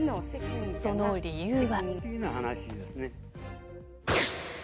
その理由は。